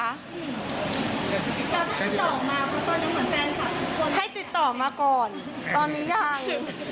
แล้วติดต่อมาเพราะตอนนี้เหมือนแฟนคลับทุกคนให้ติดต่อมาก่อนตอนนี้ยัง